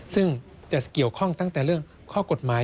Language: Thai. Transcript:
ซึ่งจะเกี่ยวข้องตั้งแต่เรื่องข้อกฎหมาย